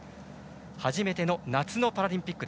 初めての夏のパラリンピック。